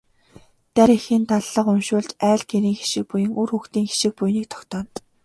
Дарь эхийн даллага уншуулж айл гэрийн хишиг буян, үр хүүхдийн хишиг буяныг тогтооно.